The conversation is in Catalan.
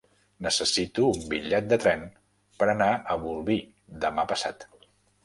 Necessito un bitllet de tren per anar a Bolvir demà passat.